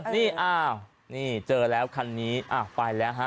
นี่เอ้าเจอแล้วคันนี้ไปแล้วฮะ